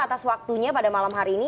atas waktunya pada malam hari ini